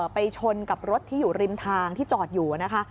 ไปชนกับรถที่อยู่ริมทางที่จอดอยู่นะคะ